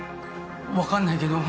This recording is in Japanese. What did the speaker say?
わかんないけど。